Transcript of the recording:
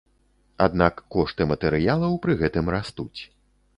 Аднак кошты матэрыялаў пры гэтым растуць.